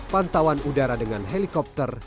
pantauan udara dengan helikopter